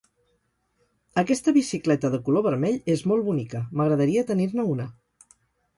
Aquesta bicicleta de color vermell és molt bonica, m'agradaria tenir-ne una.